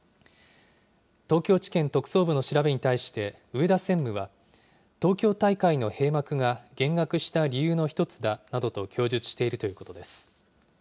東京地検特捜部の調べに対して上田専務は、東京大会の閉幕が減額した理由の一つだなどと供述しているということです。